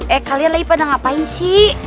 eh kalian lagi pada ngapain sih